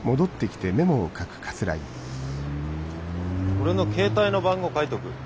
俺の携帯の番号を書いとく。